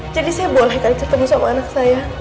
jadi saya boleh kan ketemu sama anak saya